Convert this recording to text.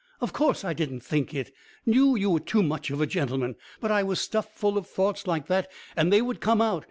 "Of course I didn't think it! Knew you were too much of a gentleman, but I was stuffed full of thoughts like that, and they would come out.